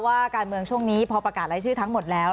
ว่าการเมืองช่วงนี้พอประกาศรายชื่อทั้งหมดแล้ว